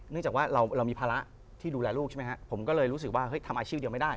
จากว่าเรามีภาระที่ดูแลลูกใช่ไหมฮะผมก็เลยรู้สึกว่าเฮ้ยทำอาชีพเดียวไม่ได้